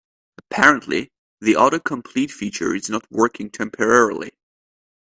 Apparently, the autocomplete feature is not working temporarily.